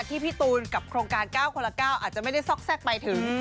พี่ตูนกับโครงการ๙คนละ๙อาจจะไม่ได้ซอกแทรกไปถึง